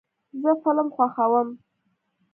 زه فلم خوښوم.